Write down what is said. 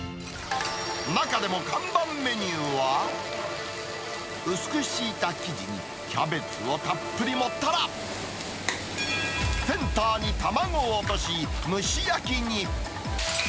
中でも看板メニューは。薄く敷いた生地にキャベツをたっぷり盛ったら、センターに卵を落とし、蒸し焼きに。